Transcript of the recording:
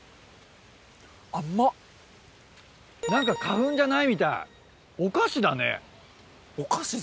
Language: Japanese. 何か花粉じゃないみたいお菓子だね。